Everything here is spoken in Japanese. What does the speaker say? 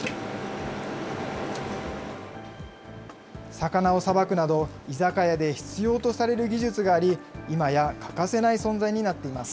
魚をさばくなど、居酒屋で必要とされる技術があり、今や欠かせない存在になっています。